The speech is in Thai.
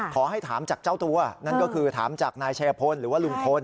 ถามจากเจ้าตัวนั่นก็คือถามจากนายชัยพลหรือว่าลุงพล